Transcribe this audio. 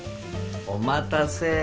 お待たせ！